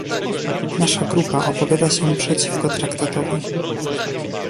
Nasza grupa opowiada się przeciwko Traktatowi